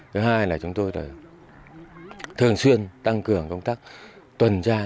thứ hai là chúng tôi thường xuyên tăng cường công tác tuần tra